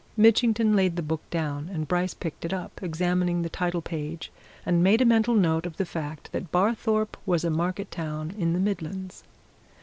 Mitchington laid the book down, and Bryce picked it up, examined the title page, and made a mental note of the fact that Barthorpe was a market town in the Midlands.